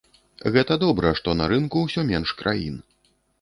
Гэта добра, што на рынку ўсё менш краін.